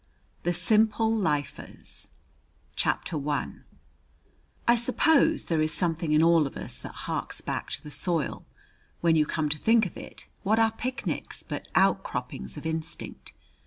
THE SIMPLE LIFERS I I suppose there is something in all of us that harks back to the soil. When you come to think of it, what are picnics but outcroppings of instinct?